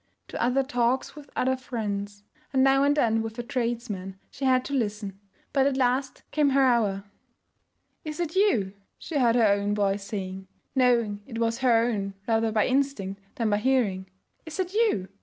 To other talks with other friends, and now and then with a tradesman, she had to listen; but at last came her hour. 'Is that you?' she heard her own voice saying, knowing it was her own rather by instinct than by hearing. 'Is that you?